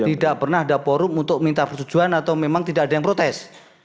tidak pernah ada forum untuk minta persetujuan atau memang tidak ada yang protes